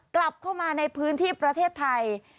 กลับเข้ามาในพื้นที่ประเทศไทย